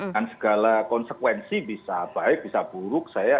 dan segala konsekuensi bisa baik bisa buruk